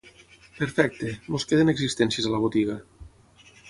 Perfecte, ens queden existències a la botiga.